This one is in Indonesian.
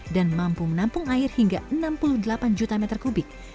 mampu menampung air hingga enam puluh delapan juta meter kubik